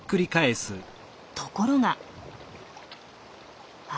ところがあ！